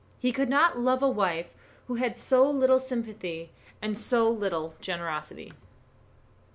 He could not love a wife who had so little sympathy and so little generosity.